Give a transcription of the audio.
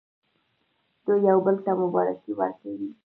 دوی یو بل ته مبارکي ورکوي.